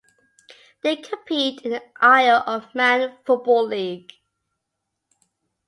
They compete in the Isle of Man Football League.